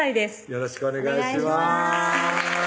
よろしくお願いします